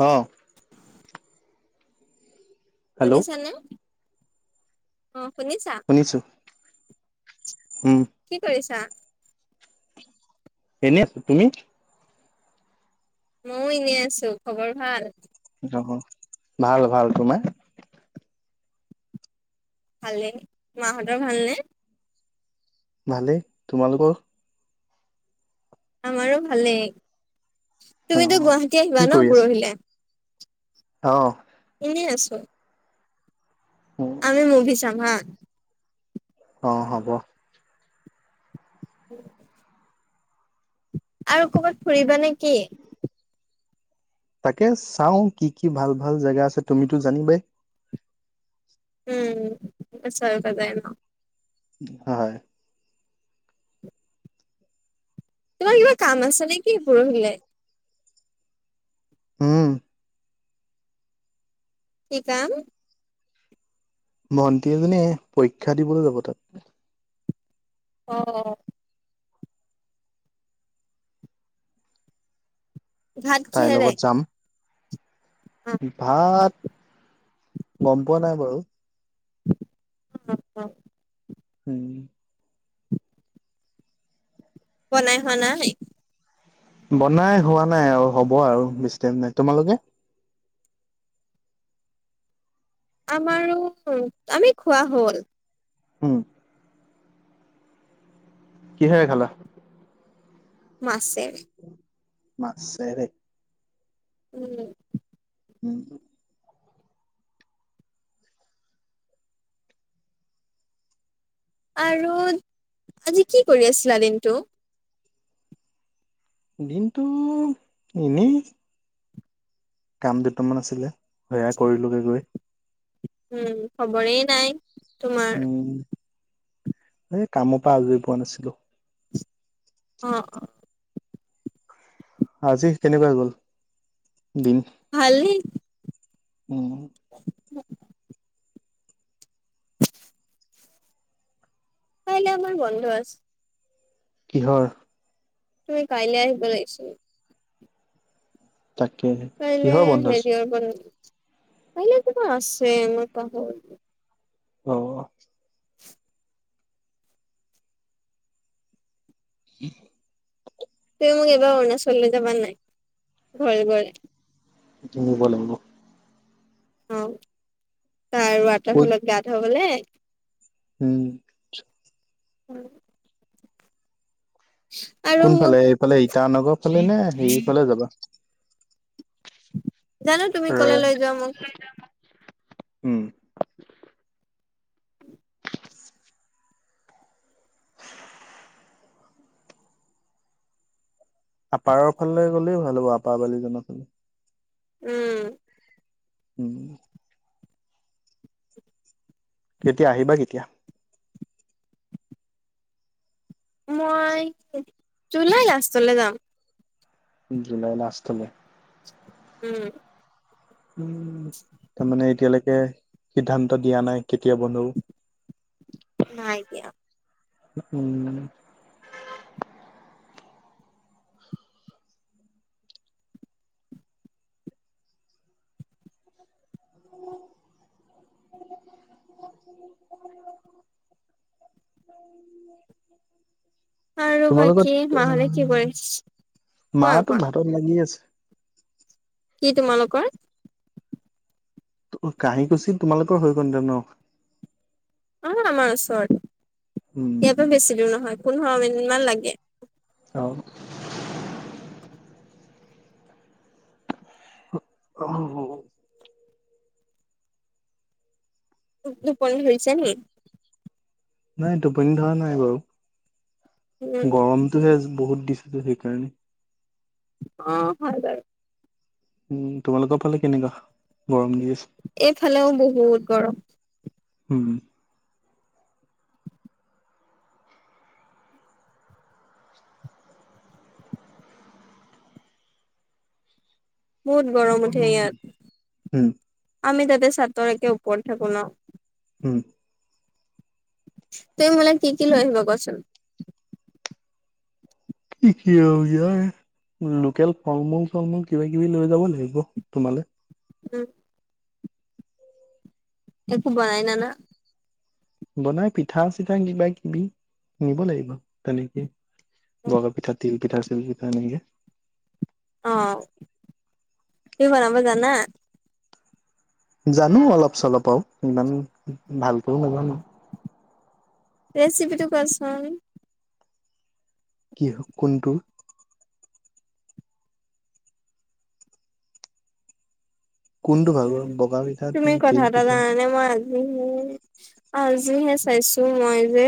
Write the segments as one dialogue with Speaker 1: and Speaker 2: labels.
Speaker 1: হ
Speaker 2: [inaudible]
Speaker 1: হেল্ল'
Speaker 2: শুনিছানে অ শুনিছা
Speaker 1: শুনিছো উম
Speaker 2: কি কৰিছা
Speaker 1: এনে আছো তুমি
Speaker 2: মইয়ও এনে আছো খবৰ ভাল
Speaker 1: অ ভাল ভাল তোমাৰ
Speaker 2: ভালে মাহঁতৰ ভালনেে
Speaker 1: ভালেই তোমালোকৰ
Speaker 2: আমাৰো ভালেই
Speaker 1: অ
Speaker 2: তুমিতো গুৱাহাটী
Speaker 1: কি
Speaker 2: আহিবা ন
Speaker 1: কৰি আছা
Speaker 2: পৰহিলে
Speaker 1: অ
Speaker 2: এনেই আছো আমি মুভি চাম হা
Speaker 1: অ হ'ব
Speaker 2: উ আৰু কৰ'বাত ফুৰিবা নে কি
Speaker 1: তাকে চাও কি কি ভাল ভাল জেগা আছে তুমিতো জানিবাই
Speaker 2: উমছাল কদ ন [unintelligible]
Speaker 1: হয়
Speaker 2: তোমাৰ কিবা কাম আছে নেকি পৰহিলৈ
Speaker 1: হম
Speaker 2: কি কাম
Speaker 1: মন্ত্ৰী এজনী পৰীক্ষা দিবলৈ যাব তাত
Speaker 2: অ অ ঘাট
Speaker 1: তাইৰ
Speaker 2: চেহেৰে
Speaker 1: লগত
Speaker 2: [unintelligible]
Speaker 1: যাম ভাত গম পোৱা নাই বাৰু
Speaker 2: উ অ
Speaker 1: উম
Speaker 2: ব নাই হোৱা না
Speaker 1: বনাই হোৱা নাই আৰু হ'ব আৰু বেছি টাইম নাই তোমালোকে
Speaker 2: আমাৰো [unintelligible] আমি খোৱা হ'ল
Speaker 1: হম কি হয় [unintelligible] খালা
Speaker 2: মাছে
Speaker 1: মাছেৰে
Speaker 2: উম
Speaker 1: উম
Speaker 2: আৰু আজি কি কৰি আছিলা দিনটো
Speaker 1: দিনতটো এনেই কাম দুটামান আছিলে সেয়াাই কৰিলোগে গৈ
Speaker 2: উম খবৰেই নাই তোমাৰ
Speaker 1: উম এই কামৰ পৰা আজৰি পোৱা নাছিলো
Speaker 2: অ অ
Speaker 1: আজি কেনেকুৱা গল দিন
Speaker 2: ভাল ন
Speaker 1: উম
Speaker 2: অ তাইে আমাৰ বন্ধ আছে
Speaker 1: কিহৰ
Speaker 2: তুমি কাইলৈ আহ বাৰাইছ [unintelligible]
Speaker 1: তাকে
Speaker 2: কাইলে
Speaker 1: কিহৰ বন্ধজ
Speaker 2: হেৰি বনাম কাইলৈয় কিবা আছে মই পাহৰিলো।
Speaker 1: অহ উম।
Speaker 2: তেওঁক এইবাৰ অৰুণাচললৈ যাবানে নাই ঘৰে ঘৰে
Speaker 1: কিনিব লাগিব।
Speaker 2: অহ তাৰ
Speaker 1: ক'ত
Speaker 2: ৱাটাৰফলত গা ধুৱাবলে।
Speaker 1: উম।
Speaker 2: উম মোক
Speaker 1: কোনফালে এইফালে ইটানগৰ ফালে নে হেৰিফলে যাবা।
Speaker 2: নজাঁনো তুমি কলৈ লৈ যোৱা মোক।
Speaker 1: উম। আপাৰৰ ফালে গ'লে ভাল হ'ব আপাৰৰ বালিজনৰ ফালে
Speaker 2: উম।
Speaker 1: উম। কেতিয়া আহিবা কেতিয়া।
Speaker 2: মই জুলাই লাষ্টলৈ যাম
Speaker 1: জুলাই লাষ্টলৈ
Speaker 2: উম।
Speaker 1: উ তাৰমানে এতিয়ালৈকে সিদ্ধান্ত দিয়া নাই কেতিয়া বন্ধ হ'ব।
Speaker 2: নাই দিয়া।
Speaker 1: উম। [inaudible] [inaudible] [inaudible]
Speaker 2: আৰু
Speaker 1: তোমাৰাল
Speaker 2: বাকী
Speaker 1: লগত
Speaker 2: মাহঁতে কি কৰিছে কোৱা
Speaker 1: মাহতটো
Speaker 2: কোৱা
Speaker 1: ভাতত লাগি আছে।
Speaker 2: কি তোমালোকৰ
Speaker 1: কাঁহী কুছি তোমালোকৰ হৈ কনতে ন
Speaker 2: অ আমাৰ ওচৰত
Speaker 1: উম
Speaker 2: ইযায় পৰা বেছি দূৰ নহয় পোন্ধৰ মিনিট মান লাগে।
Speaker 1: অ অহ।
Speaker 2: সোৱ টোপনি ধৰিছে নেকি।
Speaker 1: নাই টোপনি ধৰা নাই বাৰু
Speaker 2: উম
Speaker 1: গৰমতটোহে বহুত। দিছটো সেইকাৰণে
Speaker 2: অ হয় বাৰু।
Speaker 1: উম তোমালোকৰ ফালে কেনেকুৱা গৰম দি আছে
Speaker 2: এইফালেও বহুত গৰম
Speaker 1: হম।
Speaker 2: বহুত গৰম উঠে
Speaker 1: উম
Speaker 2: ইয়াত আমি তাতে চাটৰ একে ওপৰত থাকো ন
Speaker 1: হম।
Speaker 2: তুমি মোলৈ কি কি লৈ আহিবা কচোন।
Speaker 1: কি কি ই [unintelligible] লোকেল ফল মূল চল মূল কিবা কিবি লৈ যাব লাগিব তোমালে।
Speaker 2: উম। একো বনাই নাই
Speaker 1: বনাই পিঠা চিৰা কিবা কিবি নিব লাগিব তেনেকে। বগা পিঠা তিল পিঠা চিল পিঠা এনেকে
Speaker 2: অ তুমি বনবা জানা।
Speaker 1: জানো অলপ চলপ আৰু ইমান ভালকৈ নাজানো।
Speaker 2: ৰেচিপিটো কোৱাচন।
Speaker 1: কি হ'ল কোনটো কোনটো
Speaker 2: উ
Speaker 1: ভাগৰ বগা পিঠা
Speaker 2: তুমি
Speaker 1: নে
Speaker 2: কথা
Speaker 1: তিল
Speaker 2: এটা
Speaker 1: পিঠা
Speaker 2: জানানে মই আজিহে পাহৰিছো। আজিহে চাইছোঁ মই যে,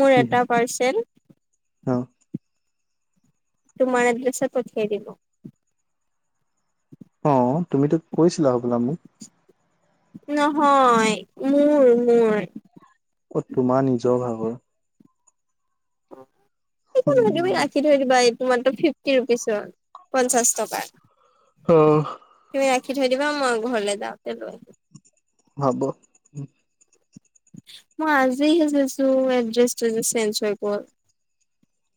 Speaker 2: মোৰ
Speaker 1: কি
Speaker 2: এটা
Speaker 1: হয়
Speaker 2: পাৰ্চেল
Speaker 1: অ'
Speaker 2: তোমাৰ এদৰেচত পঠিয়াই দিম।
Speaker 1: অ তুমিতো কৈছিলা হ'বলা মোক।
Speaker 2: নহয় মোৰ মোৰ।
Speaker 1: অ' তোমাৰ নিজৰ ভাগৰ।
Speaker 2: একো
Speaker 1: উম
Speaker 2: নহয় তুমি ৰাখি থৈ দিবা। তোমাৰতাত ফিফটি ৰুপিছৰ পঞ্চাছ টকা।
Speaker 1: অ'।
Speaker 2: ৰাখি থৈ দিবা মই ঘৰলৈ যাওঁতে লৈ আহিম।
Speaker 1: হব।
Speaker 2: মই আজি হে চাইছো এড্ৰেছটো যে চেঞ্জ হৈ গ'ল।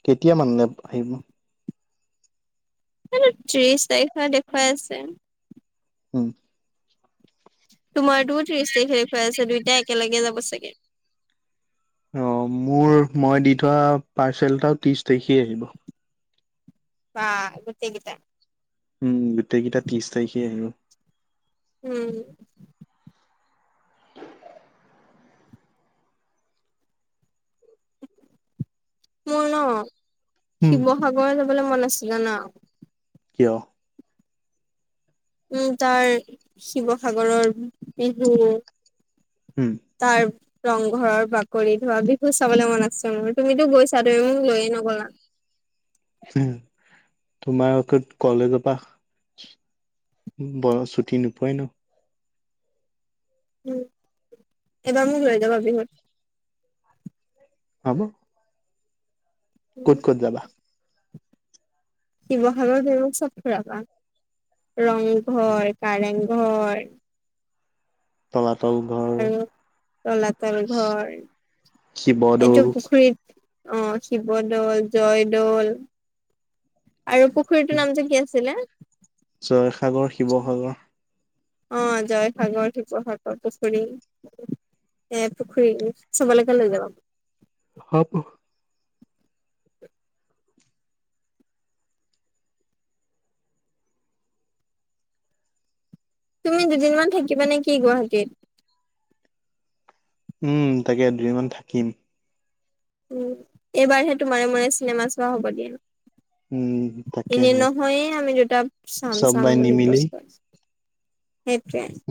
Speaker 1: কেতিয়া মানে আহিব?
Speaker 2: ত্ৰিশ তাৰিখে দেখুৱাই আছে।
Speaker 1: উম।
Speaker 2: তোমাৰতোও ত্ৰিশ তাৰিখ দেখুৱাই আছে দুইটাই একেলগে যাব চাগে।
Speaker 1: অ' মোৰ মই দি থোৱা পাৰ্চেলটা ত্ৰিশ তাৰিখে আহিব।
Speaker 2: বা গোতেই কেটা।
Speaker 1: উম গোটেই কেইটা ত্ৰিশ তাৰিখে আহিব
Speaker 2: উম। মোৰ ন
Speaker 1: উম
Speaker 2: শিৱসাগৰ যাবলৈ মন আছিলে জানা।
Speaker 1: কিয়?
Speaker 2: উম তাৰ শিৱসাগৰৰ বিহু
Speaker 1: উম
Speaker 2: তাৰ ৰংঘৰৰ বাকৰি ধোৱা বিহুত চাবলৈ মন আছে মোৰ তুমিতো গৈছা তুমি মোক লৈয়ে নগলা।
Speaker 1: তোমাৰ কলেজৰ পৰা ব ছুটি নপুৱাই ন।
Speaker 2: উ এবাৰ মোৰ লৈ যাবা বিহুত।
Speaker 1: হব। ক'ত ক'ত যাবা?
Speaker 2: শিৱসাগৰ তুমি মোক চব ফুৰাবা ৰংঘৰ কাৰেং ঘৰ।
Speaker 1: তলা
Speaker 2: আৰু তলাতল ঘৰ, এইটো
Speaker 1: শিৱদৌল
Speaker 2: পুখুৰীত আহ শিৱদৌল জয়দৌল। আৰু পুখুৰীটোৰ নাম যে কি আছিলে?
Speaker 1: জয়সাগৰ শিৱসাগৰ।
Speaker 2: অ জয়সাগৰ শিৱসাগৰ পুখুৰী। এ পুখুৰী চবলৈকে লৈ যাবা।
Speaker 1: হ'ব
Speaker 2: তুমি দুদিনমান থাকিবা নেকি গুৱাহাটীত?
Speaker 1: উম তাকে দুদিনমান থাকিম।
Speaker 2: উ এইবাৰহে তোমাৰে মূৰে চিনেমা চোৱা হ'ব দিয়া।
Speaker 1: উম
Speaker 2: এনে
Speaker 1: তাকেহে
Speaker 2: নহয়ে আমি দুটা চাম চাম
Speaker 1: চবাই
Speaker 2: বুলি
Speaker 1: নিমিলি
Speaker 2: প্ৰশ্ন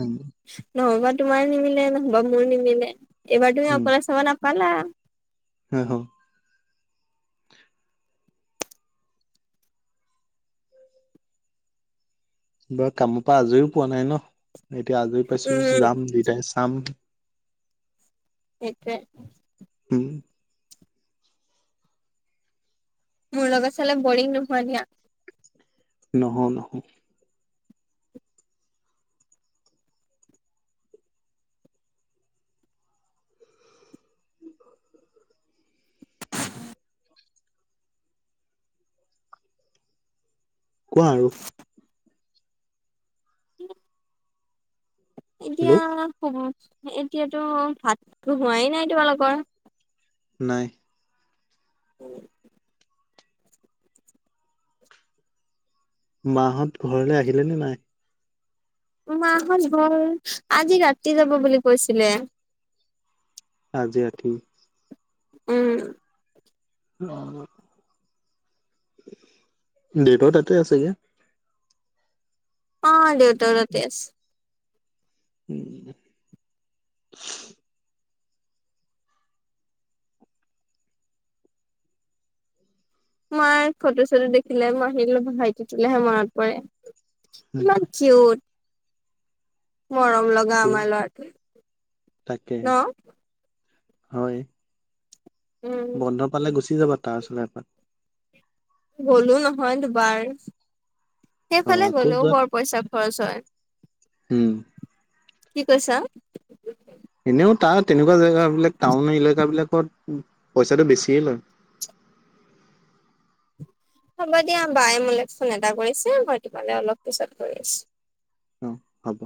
Speaker 1: উম
Speaker 2: নহবা তোমাৰ নিমিলে নহ'বা মোৰ নিমিলে। এবাৰ তুমি অকলে চাব নাপালা।
Speaker 1: হেল্ল বাৰু কামৰ পৰা আজৰিও পোৱা নাই ন এতিয়া আজৰি পাইছো
Speaker 2: উম
Speaker 1: যাম দুয়টাই চাম।
Speaker 2: সেইটোৱে।
Speaker 1: হম।
Speaker 2: মোৰ লগত চালে বৰিং নোহোৱা দিয়া।
Speaker 1: নহয়ও নহয়ও। কোৱা আৰু,
Speaker 2: উম! এতিয়া
Speaker 1: হেল্ল'
Speaker 2: [unintelligible] এতিয়াতো ভাত হোৱাই নাই তোমালোকৰ
Speaker 1: নাই।
Speaker 2: অ'
Speaker 1: মাহঁত ঘৰলে আহিলে নে নাই?
Speaker 2: মাহঁত গ'ল আজি ৰাতি যাব বুলি কৈছিলে।
Speaker 1: আজি ৰাতি,
Speaker 2: উম!
Speaker 1: অ' দেউতাও তাতে আছেগে।
Speaker 2: অ দেউতাও তাতে আছে।
Speaker 1: উম!
Speaker 2: মই ফটো চটো দেখিলে মই আহিলো ভাইটিটোলেহে মনত পৰে, ইমান কিউট মৰম লগা
Speaker 1: উম
Speaker 2: আমাৰ ল'ৰাটো
Speaker 1: তাকে
Speaker 2: ন
Speaker 1: হয়।
Speaker 2: উম
Speaker 1: বন্ধ পালে গুচি যাবা তাৰ ওচৰলৈ এপাক
Speaker 2: গ'লো নহয় দুবাৰ
Speaker 1: অ
Speaker 2: সেইফালে
Speaker 1: আকৌ
Speaker 2: গলেও বৰ পইচা খৰচ হয়।
Speaker 1: হম!
Speaker 2: কি কৈছা?
Speaker 1: এনেও তাৰ তেনেকুৱা জেগাবিলাক টাউন এলেকাবিলাক পইচাটো বেছিয়ে লয়।
Speaker 2: হ'ব দিয়া বায়ে মোলৈ ফোন এটা কৰিছে মই তোমালৈ অলপ পিছত কৰি আছো।
Speaker 1: অ হব।